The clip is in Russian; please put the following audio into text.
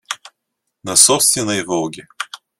на собственной "Волге".